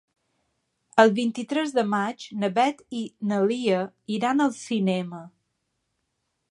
El vint-i-tres de maig na Beth i na Lia iran al cinema.